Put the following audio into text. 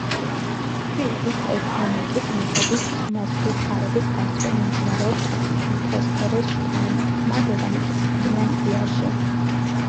ფილების ტექტონიკის მიხედვით ღრმა ზღვის ღარების გასწვრივ მიმდინარეობს ლითოსფეროს შთანთქმა დედამიწის მანტიაში.